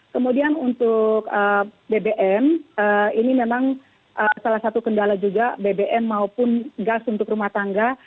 kemudian untuk bbm ini memang salah satu kendala juga bbm maupun gas untuk rumah tangga